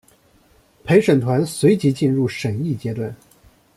陪审团随即进入审议阶段。